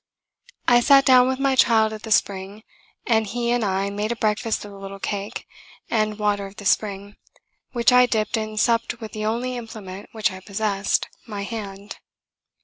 I sat down with my child at the spring, and he and I made a breakfast of the little cake, and water of the spring, which I dipped and supped with the only implement which I possessed, my hand.